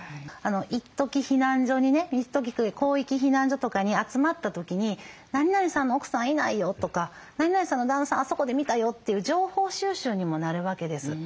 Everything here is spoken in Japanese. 一時避難所にね広域避難所とかに集まった時に「なになにさんの奥さんいないよ」とか「なになにさんの旦那さんあそこで見たよ」っていう情報収集にもなるわけです。